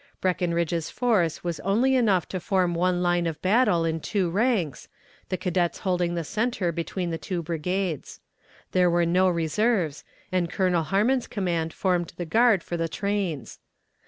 Breckinridge's force was only enough to form one line of battle in two ranks, the cadets holding the center between the two brigades. There were no reserves, and Colonel Harmon's command formed the guard for the trains.